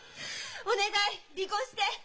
お願い離婚して！